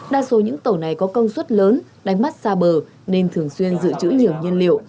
đa số những tàu này có công suất lớn đánh mắt xa bờ nên thường xuyên giữ chữ nhiều nhân liệu